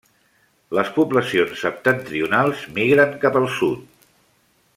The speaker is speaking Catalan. Les poblacions septentrionals migren cap al sud.